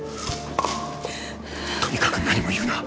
とにかく何も言うな。